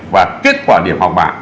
và kết quả điểm học bản